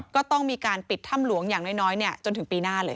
ก็ต้องมีการปิดถ้ำหลวงอย่างน้อยจนถึงปีหน้าเลย